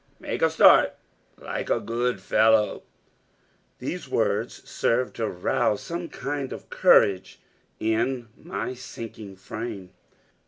Make a start, like a good fellow." These words served to rouse some kind of courage in my sinking frame.